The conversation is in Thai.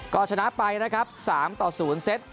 ก็ชนะไปนะครับ๓ต่อ๐เซต